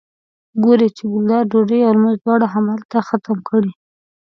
ګوري چې ګلداد ډوډۍ او لمونځ دواړه همدلته ختم کړي.